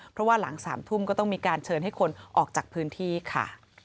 เพราะว่าหลัง๓ทุ่มก็ต้องมีการเชิญให้คนออกจากพื้นที่ค่ะ